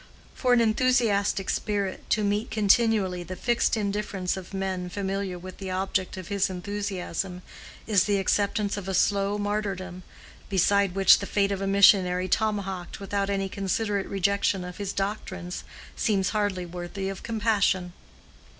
For an enthusiastic spirit to meet continually the fixed indifference of men familiar with the object of his enthusiasm is the acceptance of a slow martyrdom, beside which the fate of a missionary tomahawked without any considerate rejection of his doctrines seems hardly worthy of compassion.